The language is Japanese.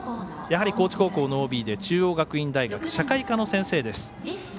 やはり高知高校のＯＢで中央学院大学社会科の先生です。